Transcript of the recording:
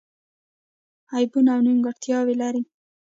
عیبونه او نیمګړتیاوې لري.